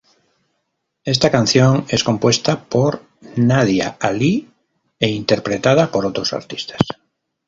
Esta canción es compuesta por Nadia Ali e interpretada por otros artistas